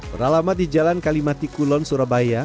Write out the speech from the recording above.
pernah lama di jalan kalimantikulon surabaya